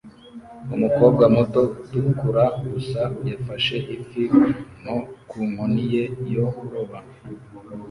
umukobwa muto utukura gusa yafashe ifi nto ku nkoni ye yo kuroba